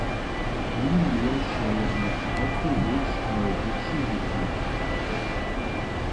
Mi njeje wšojedne, kotru rěč moje dźěći wuknu.